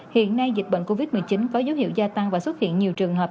hiện nay dịch bệnh covid một mươi chín có dấu hiệu gia tăng và xuất hiện nhiều trường hợp